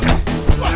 enggak enggak enggak